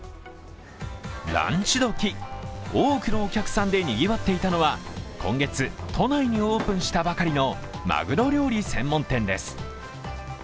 ランチどき、多くのお客さんでにぎわっていたのは今月、都内にオープンしたばかりのマグロ料理専門店です。